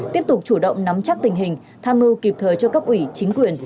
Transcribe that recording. tiếp tục chủ động nắm chắc tình hình tham mưu kịp thời cho cấp ủy chính quyền